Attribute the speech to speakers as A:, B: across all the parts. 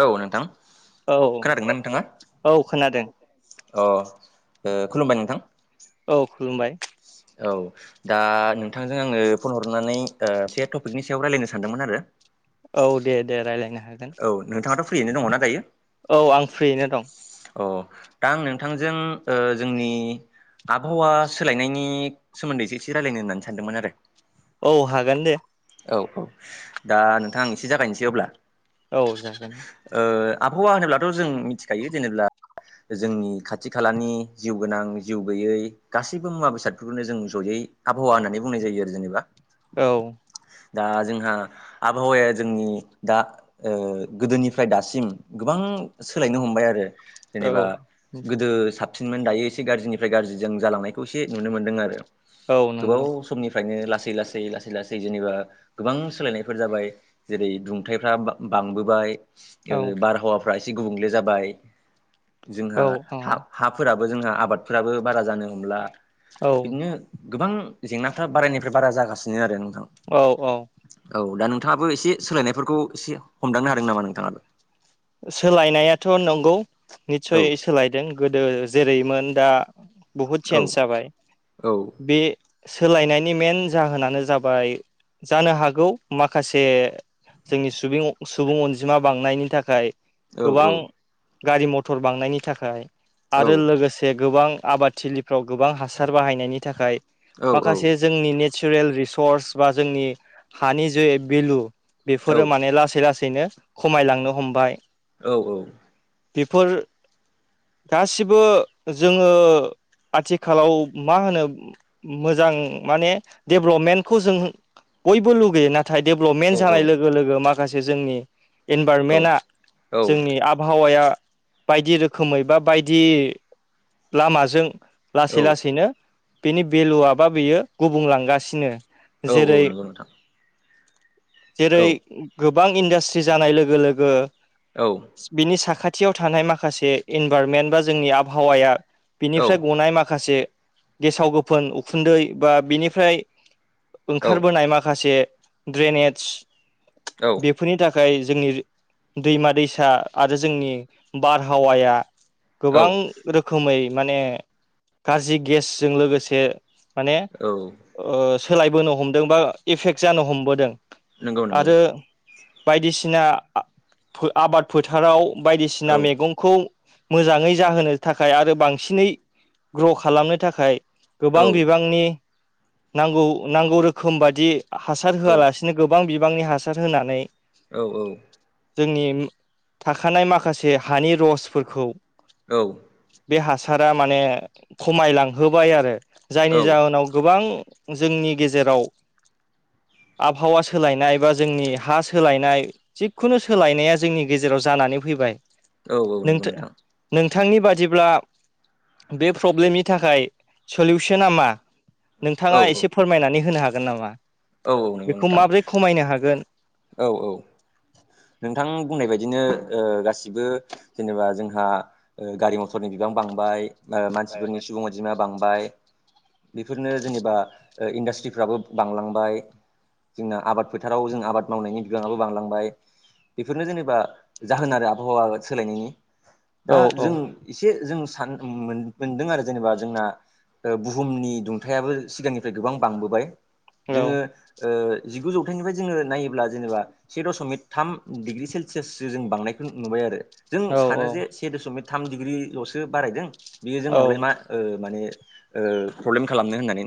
A: औ नोंथां
B: औ
A: खोनादोंना नोंथाङा
B: औ खोनादों [unintelligible]
A: अ ओ खुलुमबाय नोंथां
B: औ खुलुमबाय
A: औ दा नोंथांजों आङो फन हरनानै ओ से टपिकनि सायाव रायलायनो सानदोंमोन आरो
B: औ दे दे रायज्लायनो हागोन
A: औ नोंथाङाथ' फ्रियैनो दङना दायो
B: औ आं फ्रियैनो दं
A: औ दा आं नोंथांजों ओ जोंनि आबहावा सोलायनायनि सोमोन्दै एसे एसे रायज्लायनो होननानै सानदोंमोन आरो
B: औ हागोन दे
A: औ औ दा नोंथां एसे जागायनोसै अब्ला
B: औ जागोन
A: ओ आबहावा होनोब्लाथ' जों मिथिखायो जेनेब्ला जोंनि खाथि खालानि जिउ गोनां जिउ गैयै गासैबो मुवा बेसादफोरखौनो जों ज'यै आबहावा होननानै बुंनाय जायो आरो जेनेबा
B: औ
A: दा जोंहा आबहावाया जोंनि दा गोदोनिफ्राय दासिम गोबां सोलायनो हमबाय आरो
B: औ
A: जेनेबा गोदो सा साबसिनमोन दायो एसे गाज्रिनिफ्राय गाज्रि जों जालांनायखौ एसे नुनो मोनदों आरो
B: औ नंगौ
A: गोबाव समनिफ्रायनो लासै लासै लासै लासै जेनेबा गोबां सोलायनायफोर जाबाय जेरै दुंथाइफ्रा बांबोबाय
B: औ
A: ओ बारहावाफ्रा एसे गुबुंले जाबाय
B: औ
A: जोंहा
B: औ
A: हा- हाफोराबो जोंहा आबादफोराबो बारा जानो हमला
B: औ
A: बिदिनो गोबां जेंनाफ्रा बारायनिफ्राय बारा जागासिनो आरो नोंथां
B: औ औ
A: औ दा नोंथाङाबो एसे सोलायनायफोरखौ एसे हमदांनो हादों नामा नोंथाङाबो
B: सोलायनायाथ' नंगौ
A: औ
B: निस्सय सोलायदों गोदो जेरैमोन दा बहुद
A: औ
B: चेन्ज जाबाय
A: औ
B: बे सोलायनायनि मेन जाहोनानो जाबाय जानो हागौ माखासे जोंनि सुबुं सुबुं अनजिमा बांनायनि थाखाय
A: औ औ
B: गोबां गारि मटर बांनायनि थाखाय
A: औ
B: आरो लोगोसे गोबां आबादथिलिफ्राव गोबां हासार बाहायनायनि थाखाय
A: औ
B: माखासे जोंनि ने नेचारेल रिसर्स बा जोंनि हानि जे भेलु
A: औ
B: बेफोरो माने लासै ला बिदिनो खमायलांनो हमबाय
A: औ औ
B: बेफोर गासिबो जोङो आथिखालाव मा होनो मोजां माने डेभ्लपमेन्टखौ जों बयबो लुगैयोना नाथाय डेभेलपमेन्ट जानाय लोगो लोगो माखासे जोंनि
A: औ
B: इनभारनमेन्टआ जोंनि
A: औ
B: आब हावाया बायदि रोखोमै बा बायदि लामाजों लासै लासैनो बेनि भेलुआ बा बेयो गुबुंलांगासिनो
A: औ
B: जेरै
A: औ नंगौ नोंथां औ
B: जेरै गोबां इन्डास्ट्रि जानाय लोगो लोगो
A: औ औ
B: बिनि साखा थियाव थानाय माखासे इनभाररनमेन्ट बा जोंनि आबहावाया बिनिफ्राय गनाय माखासे गेसाव गोफोन उखुन्दै बा बिनिफ्राय ओंखारबोनाय माखासे ड्रेनेडस
A: औ
B: बेफोरनि थाखाय जोंनि दैमा दैसा आरो जोंनि बारहावाया गोबां रोखोमै माने गाज्रि गेसजों लोगोसे माने
A: औ
B: सोलायबोनो हमदों बा एफेक्ट जानो हमबोदों
A: नंगौ नंगौ
B: आरो बायदिसिना आबाद फोथाराव
A: औ
B: बायदिसिना मेगंखौ मोजाङै जाहोनो थाखाय आरो बांसिनै ग्र' खालामनो थाखाय
A: औ
B: गोबां बिबांनि नांगौ नांगौ रोखोम बादि हासार
A: औ
B: होआलासिनो गोबां बिबांनि हासार होनानै जोंनि थाखानाय माखासे हानि रसफोरखौ
A: औ
B: बे हासारा माने खमायलांहोबाय आरो
A: औ
B: जायनि जाहोनाव गोबां जोंनि गेजेराव आबहावा सोलायनाय बा जोंनि हा सोलायनाय थिग खुनु सोलायनाया जोंनि गेजेराव जानानै फैबाय
A: औ औ नंगौ नोंथां
B: बिथांनि बादिब्ला बे प्रब्लेमनि थाखाय सलिउसना मा
A: औ
B: नोंथाङा एसे फोरमायनानै होनो हागोन नामा
A: औ औ नंगौ
B: बेखौ
A: नोंथां
B: माब्रै खमायनो हागोन
A: औ औ नोंथां बुंनाय बायदिनो ओ गासिबो जेनेबा जोंहा ओ गारि मथरनि बिबां बांबाय मानसिफोरनि सुबुं अनजिमाया बांबाय बेफोरनो जेनेबा इन्डास्ट्रिफ्राबो बांलांबाय जोंना आबाद फोथाराव जों आबाद मावनायनि बिबाङाबो बांलांबाय बेफोरनो जेनेबा जाहोन आरो आबहावा सोलायनायनि
B: औ
A: दा जों एसे जों सान मोनदों आरो जेनेबा जोंना बुहुमनि दुंथायाबो सिगांनिफ्राय गोबां बांबोबाय
B: औ
A: जोङो जिगु जौथाइनिफ्राय जोङो नायो ब्ला जेनेबा से दशमिक थाम डिग्रि सेलसियासो जों बांनायखौ नुबाय आरो जों
B: औ
A: सानो जे से दशमिक थाम डिग्रिल'सो बारायदों बियो
B: औ
A: जोंनावलाय मा माने ओ प्रब्लेम खालामनो होननानै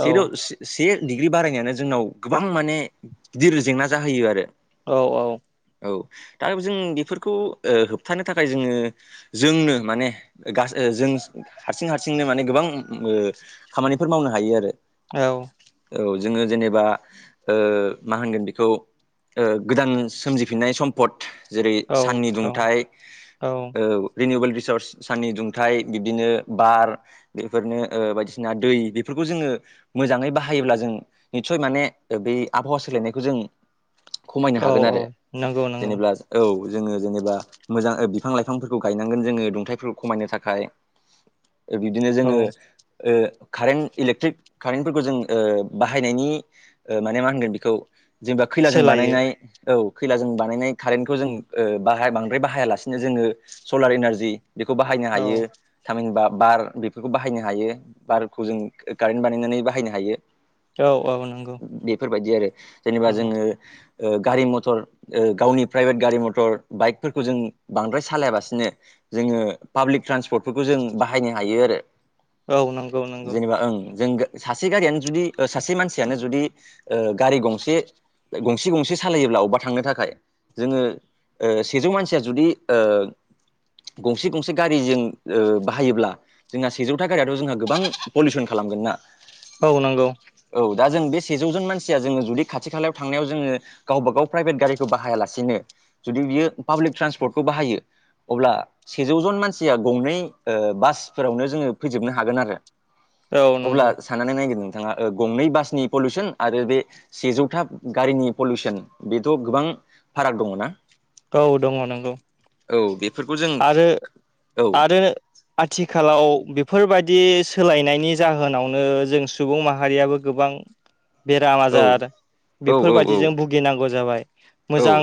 B: औ
A: [unintelligible] बे डिग्रि बारायनायानो जोंनाव गोबां माने गिदिर जेंना जाहोयो आरो।
B: औ औ
A: औ दा जों बेफोरखौ ओ होबथानो थाखाय जोङो जोंनो माने गासै ओ जों हारसिं हारसिंनो माने ओ गोबां खामानिफोर मावनो हायो आरो।
B: औ
A: औ जोङो जेनेबा ओ मा होनगोन बि खौ ओ गोदान सोमजिफिननाय सम्पद जेरै साननि दुंथाय
B: औ
A: ओ [unintelligible] [unintelligible] साननि दुंथाय बिब्दिनो बार बेफोरनो ओ बायदिसिना दै बेफोरखौ जोङो मोजाङै बाहायोब्ला जों निसय माने बै आबहावा सोलायनायखौ जों खमायनो
B: औ
A: हागोन
B: औ
A: आरो
B: नंगौ नंगौ
A: जेनेबा औ जोङो जेनेबा मोजां बिफां लाइफांफोरखौ गायनांगोन जोङो दुंथाइफोरखौ खमायनो थाखाय। बिदिनो
B: औ
A: जोङो ओ कारेन्ट इलेक्ट्रिक कारेन्टफोरखौ जों ओ बाहायनायनि माने ओ मा होनगोन बेखौ जेनेबा खैलाजों
B: सोलायो
A: बानायनाय औ खैलाजों बानायनाय कारेन्टखौ जों ओ बाहाय बांद्राय बाहायालासिनो जोङो सलार इनारजि बेखौ बाहायनो
B: औ
A: हायो थामहिनबा बार बेफोरखौ बाहायनो हायो बारखौ जों कारेन्ट बानायनानै बाहायनो हायो।
B: औ औ नंगौ
A: बेफोरबायदि आरो जेनेबा
B: औ
A: जोङो ओ गारि मथर ओ गावनि प्राइभेट गारि मटर बाइकफोरखौ जों बांद्राय सालायाबासिनो जोङो पाब्लिक ट्रान्सपर्टफोरखौ जों बाहायनो हायो आरो।
B: औ नंगौ नंगौ
A: जेनेबा ओं जों सासे गारियानो जुदि सासे मानसियानो जुदि गारि गं गसे गंसे गंसे सालायोब्ला अबबा थांनो थाखाय जोङो ओ सेजौ मानसिया जुदि ओ गंसे गंसे गारि जों ओ बाहायोब्ला जोंहा सेजौथा गारियाथ' जोंहा गोबां पलिउसन खालाम खालामगोन ना?
B: औ नंगौ।
A: सेजौ जन मानसिया जोङो जुदि खाथि खालायाव थांनायाव जोङो गाव बागाव प्राइभेट गारिखौ बाहायालासेनो जुदि बियो पाब्लिक ट्रान्सपर्टखौ बाहायो अब्ला सेजौ जन मानसिया गंनै ओ बासफोरावनो जोङो फैजोबनो हागोन आरो।
B: औ
A: अब्ला
B: नंगौ
A: साननानै नायदो नोंथाङा ओ गंनै बासनि पलिउसन आरो बे सेजौथा गारिनि पलिउसन बेथ' गोबां फाराग दङ ना?
B: औ दङ नंगौ।
A: औ बेफोरखौ जों
B: आरो
A: औ
B: आरो आथिखालाव बेफोरबायदि दि सोलायनायनि जाहोनावनो जों सुबुं माहारियाबो गोबां बेराम
A: औ
B: आजार
A: औ औ औ औ
B: बेफोरबायदिजों भुगिनांगौ जाबाय मोजां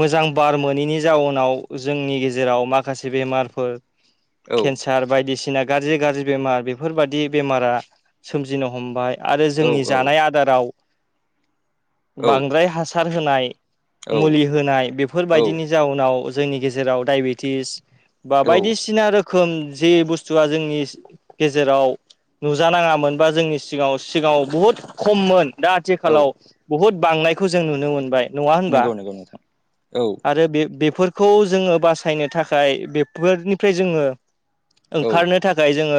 B: मोजां बार मोनैनि जाउनाव जोंनि गेजेराव माखासे बेमारफोर केन्सार बायदिसिना बायदिसिना गाज्रि गाज्रि बेमार बेफोर बादि बेमारा सोमजिनो हमबाय। आरो
A: औ
B: जोंनि जानाय आदाराव बांद्राय हासार होनाय
A: औ
B: मुलि होनाय
A: औ
B: बेफोरबायदिनि जाउनाव जोंनि गेजेराव दाइबेटिस बा
A: औ
B: बायदिसिना रोखो खोम जे बुसथुआ जोंनि गेजेराव नुजानाङामोन बा जोंनि सिगाङाव सिगाङाव बहुद खममोन। दा
A: औ
B: आथिखालाव बहुद बांनायखौ जों नुनो मोनबाय। नङा होनबा
A: नंगौ नोंथां। औ
B: आरो बे बेफोरखौ जोङो बासायनो थाखाय बेफोरनिफ्राय जोङो
A: औ
B: ओंखारनो थाखाय जोङो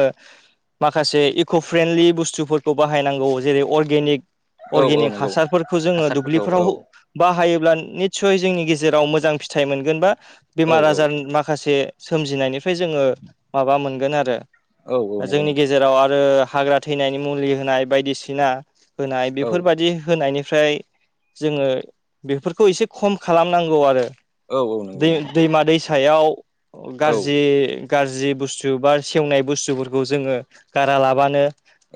B: माखासे इक' फ्रेन्डलि बुसथुफोरखौ बाहायनांगौ जेरै अर्गेनिक
A: औ औ
B: अर्गेनिक
A: नंगौ
B: हासारफोरखौ जोङो
A: हासारफोरखौ औ
B: दुब्लिफोराव बाहायोब्ला निट निसय जोंनि गेजेराव मोजां फिथाइ मोनगोन बा
A: औ
B: बेमार
A: औ
B: आजार माखासे सोमजिनायनिफ्राय जोङो माबा मोनगोन आरो
A: औ औ नंगौ
B: जोंनि
A: नोंथां
B: गेजेराव आरो हाग्रा थैनायनि मुलि होनाय बायदिसिना होनाय
A: औ
B: बेफोरबायदि होनायनि फ्राय जोङो बेफोरखौ एसे खम खालामनांगौ आरो
A: औ औ नंगौ
B: दै-
A: नोंथां
B: दैमा दैसायाव
A: औ
B: गाज्रि गाज्रि बुसथु बा सेवनाय बुसथुफोरखौ जोङो गारा लाबानो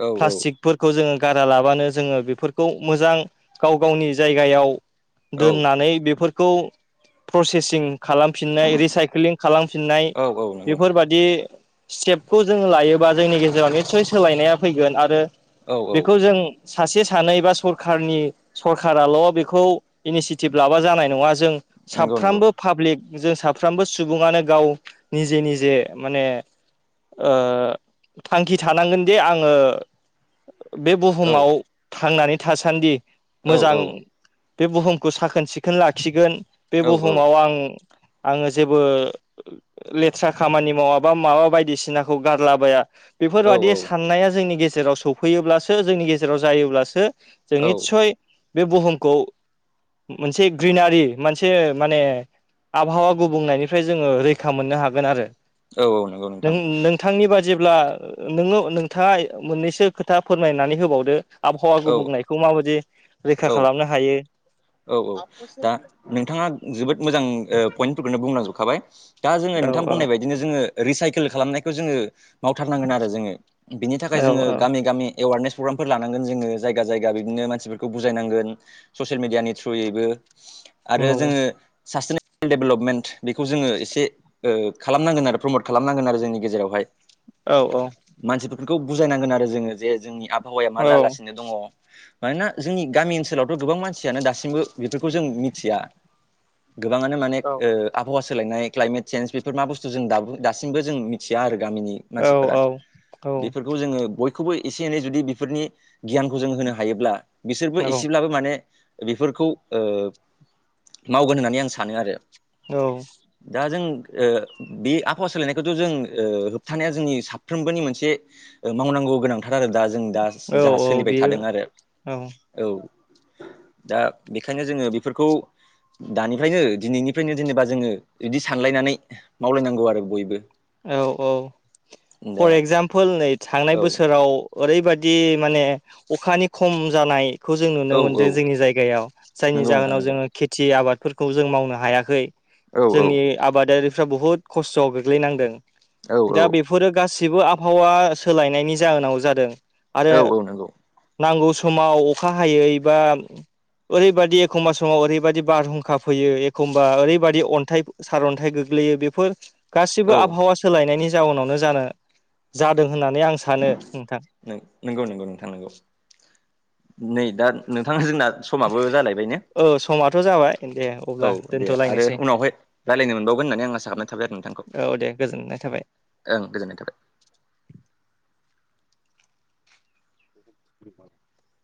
A: औ औ
B: प्लास्टिकफोरखौ जोङो गारा लाबानो जोङो बेफोरखौ मोजां गाव गावनि जायगायाव
A: औ
B: दोननानै बेफोरखौ प्रसेसिं खालामफिननाय रिसाइकलिं खालामफिननाय
A: औ औ नंगौ नोंथां
B: बेफोरबादि स्टेपखौ जों लायोबा जोंनि गेजेराव निस्सय सोलायनाया फैगोन आरो
A: औ औ
B: बेखौ जों सासे सानै बा सरखारनि सरखाराल' बेखौ इनिसियेटिभ लाबा जानाय नङा जों
A: नंगौ नंगौ
B: साफ्रोमबो पाब्लिक जों साफ्रोमबो सुबुङानो गाव निजे निजे माने ओ थांखि थानांगोनदि आङो बे
A: औ
B: बुहुमाव थांनानै थासानदि
A: औ
B: मोजां
A: औ
B: बे बुहुम खौ साखोन सिखोन लाखिगोन बे
A: औ
B: बुहुमाव आं आङो जेबो लेथ्रा खामानि मावाबा माबा बायदिसिनाखौ गारलाबाया बेफोरबादि साननाया जोंनि गेजेराव सफैयोब्लासो जोंनि गेजेराव जायोब्लासो जों
A: औ
B: निस्सय बे बुहुमखौ मोनसे ग्रिनारि मोनसे माने आबहावा गुबुंनायनिफ्राय जोङो रैखा मोननो हागोन आरो
A: औ औ नंगौ नोंथां
B: नों- नोंथांनि बादि जेब्ला नोङो नोंथाङा मोननैसो खोथा फोरमायनानै होबावदो आबहावा
A: औ
B: गुबुंनायखौ माबायदि रैखा
A: औ
B: खालामनो हायो
A: औ औ दा नोंथाङा जोबोद मोजां पइन्टफोरखौनो बुंलांजोबखाबाय दा जोङो
B: औ
A: नोंथां बुंनाय बायदिनो जोङो रिसाइकेल खालामनायखौ जोङो मावथारनांगोन आरो जोङो बिनि थाखाय
B: औ औ
A: जोङो
B: औ
A: गामि गामि एवारनेस प्रग्रामफोर लानांगोन जोङो जायगा जायगा बिदिनो मानसिफोरखौ बुजायनांगोन ससियेल मिडियानि थ्रुयैबो आरो
B: नंगौ
A: जोङो सा डेभेलपमेन्ट बेखौ जोङो एसे खालामनांगोन आरो प्रमट खालामनांगोन आरो जोंनि गेजेरावहाय
B: औ औ
A: बेखौ बुजायनांगोन आरो जोङो जे जोंनि आबहावाया मा
B: औ
A: जागासिनो दङ मानोना जोंनि गामि ओनसोलावथ' गोबां मानसियानो दासिमबो बेफोरखौ जों मिथिया गोबाङानो माने
B: औ
A: आबहावा सोलायनाय क्लाइमेट चेन्ज बेफोर मा बुस्थु जों दासिमबो जों मिथिया आरो गामिनि मानसिफोरा बेफोरखौ जोङो बय खौबो एसे एनै जुदि बेफोरनि गियानखौ जों होनो हायोब्ला बिसोरबो एसेब्लाबो माने बेफोरखौ मावगोन होननानै आं सानो आरो
B: औ
A: दा जों बे आबहावा सोलायनायखौथ' जों होबथानाया जोंनि साफ्रोमबोनि मोनसे मावनांगौ गोनांथार थार आरो दा जों दा
B: औ
A: जों
B: औ
A: सोलिबाय
B: बेयो
A: थादों आरो
B: औ
A: औ दा बेखायनो जोङो बेफोरखौ दानिफ्रायनो दिनैनिफ्रायनो जेनेबा जोङो बिदि सानलायनानै मावलायनांगौ आरो बयबो
B: औ औ
A: दा
B: फर एक्जामपोल नै थांनाय
A: औ
B: बोसोराव ओरैबादि माने अखानि खम जानाय खौ जों
A: औ
B: नुनो
A: औ
B: मोन्दों जोंनि जायगायाव जायनि
A: नंगौ नोंथां
B: जाहोनाव
A: नंगौ
B: जोङो खेथि आबादफोरखौ जों मावनो हायाखै
A: औ औ
B: जोंनि आबादारिफ्रा बुहुद खस्थ'आव गोग्लैनांदों
A: औ औ
B: दा बेफोरो गासैबो बो आबहावा सोलायनायनि जाहोनाव जादों। आरो
A: औ औ नंगौ
B: नांगौ समाव अखा हायै बा ओरैबायदि एखमबा समाव ओरैबायदि बारहुंखा फैयो एखमबा ओरैबायदि अन्थाइ सारअन्थाइ गो लैयो बेफोर गासिबो
A: औ
B: आब सोलायनायनि जाउनावनो जानो जादों होननानै आं सानो नोंथां
A: नंगौ नंगौ नोंथां नंगौ नै दा नोंथाङा जोंना समाबो जालायबायनो
B: औ समाथ' जाबाय दे अब्ला
A: दे आरो
B: दोनथ'लायनोसै
A: उनावहाय रायज्लायनो मोनबावगोन होननानै आं आसा खालामनाय थाबाय आरो नोंथांखौ
B: औ दे गोजोननाय थाबाय
A: ओं गोजोननाय थाबाय
B: [inaudible]